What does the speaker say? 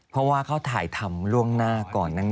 เพราะว่าเขาถ่ายทำล่วงหน้าก่อนนั้น